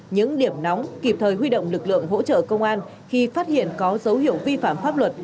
những điểm nóng kịp thời huy động lực lượng hỗ trợ công an khi phát hiện có dấu hiệu vi phạm pháp luật